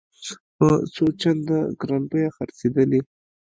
په څو چنده ګرانه بیه خرڅېدلې.